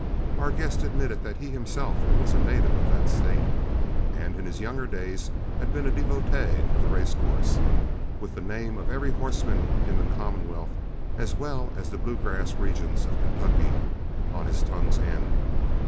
Our guest admitted that he himself was a native of that State, and in his younger days had been a devotee of the racecourse, with the name of every horseman in that commonwealth as well as the bluegrass regions of Kentucky on his tongue's end.